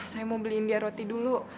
saya mau beliin dia roti dulu